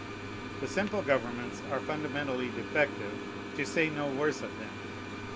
The simple governments are fundamentally defective, to say no worse of them.